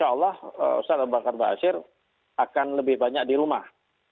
jadi kalau kita lihat ke depan insya allah ustaz abu bakar bahasyir akan lebih banyak di rumah